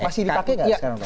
masih dipakai tidak sekarang